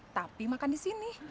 tapi makan di sini